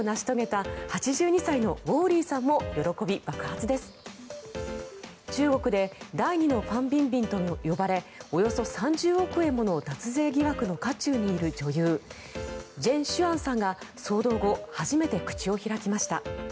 中国で第２のファン・ビンビンと呼ばれおよそ３０億円もの脱税疑惑の渦中にいる女優ジェン・シュアンさんが騒動後、初めて口を開きました。